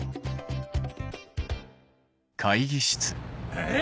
えっ！